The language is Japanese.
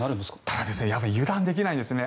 ただ油断できないんですね。